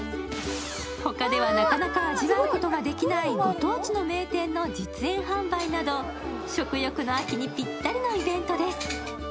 他ではなかなか味わうことができないご当地の名店の実演販売など食欲の秋にぴったりのイベントです。